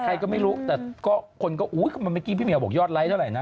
ใครก็ไม่รู้แต่ก็คนก็อุ้ยเมื่อกี้พี่เหี่ยวบอกยอดไลค์เท่าไหร่นะ